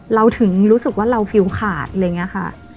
เราถึงรู้สึกว่าเราฟิลขาดอะไรอย่างนี้ค่ะ